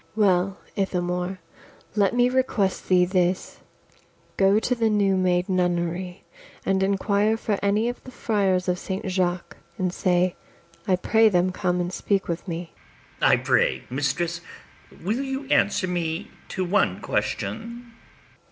ABIGAIL. Well, Ithamore, let me request thee this; Go to the new made nunnery, and inquire For any of the friars of Saint Jaques, And say, I pray them come and speak with me. ITHAMORE. I pray, mistress, will you answer me to one question?